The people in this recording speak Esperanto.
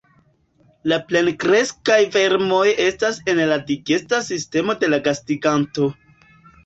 La plenkreskaj vermoj estas en la digesta sistemo de la gastiganto.